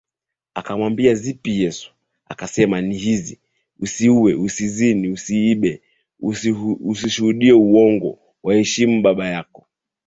Akamwambia Zipi Yesu akasema Ni hizi Usiue Usizini Usiibe Usishuhudie uongo Waheshimu baba yako